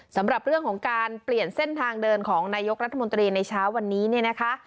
สำหรับเรื่องของการเปลี่ยนเส้นทางเดินของนายกรัฐมนตรีในเช้าวันนี้เนี่ยนะคะ